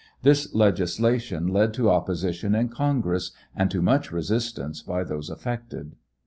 This legislation led to opposition in Congress and to much resistance by those affected.